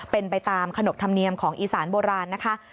เป็นไปตามขนบธรรมเนียมของอีสานโบราณนะคะ